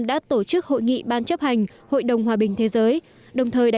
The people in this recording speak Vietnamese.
đã tổ chức hội nghị ban chấp hành hội đồng hòa bình thế giới